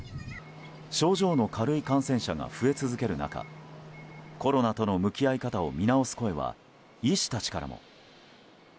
症状の軽い感染者が増え続ける中コロナとの向き合い方を見直す声は、医師たちからも。